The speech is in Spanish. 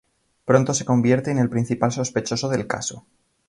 Pronto se convierte en el principal sospechoso del caso.